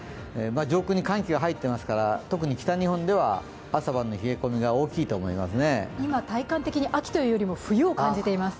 上空に寒気が入ってますから特に北日本では朝晩の冷え込みが大きいと思います。